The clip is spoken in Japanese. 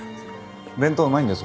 弁当うまいんだよ